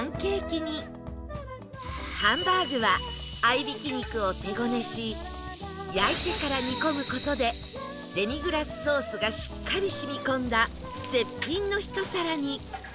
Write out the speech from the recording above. ハンバーグは合いびき肉を手ごねし焼いてから煮込む事でデミグラスソースがしっかり染み込んだ絶品のひと皿に